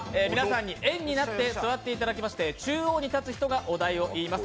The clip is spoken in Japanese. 円になって座っていただいて中央に立つ人がお題を言います。